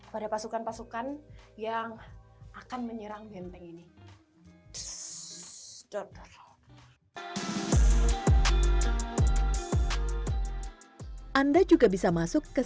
pada pasukan pasukan yang akan menyerang benteng ini